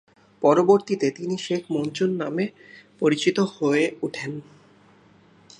পরবর্তীতে তিনি শেখ মনসুর নামে পরিচিত হয়ে উঠেন।